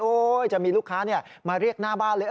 จะมีลูกค้ามาเรียกหน้าบ้านเลย